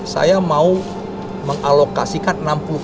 saya mau mengalokasikan enam puluh